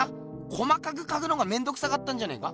細かく描くのがめんどくさかったんじゃねえか？